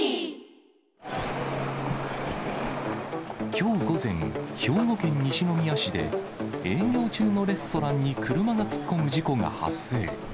きょう午前、兵庫県西宮市で営業中のレストランに車が突っ込む事故が発生。